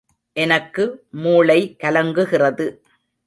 எனக்கு மூளை கலங்குகிறது.